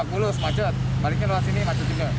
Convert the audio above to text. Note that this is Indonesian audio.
baliknya lewat sini macet juga